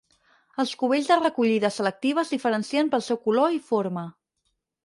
Els cubells de recollida selectiva es diferencien pel seu color i forma.